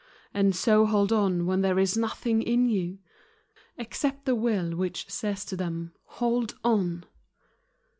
And so hold on when there is nothing in you Except the Will which says to them: 'Hold on!'